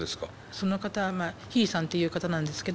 その方はヒイさんっていう方なんですけど。